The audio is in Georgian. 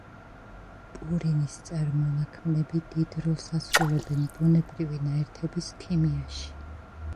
პურინის წარმონაქმნები დიდ როლს ასრულებენ ბუნებრივი ნაერთების ქიმიაში.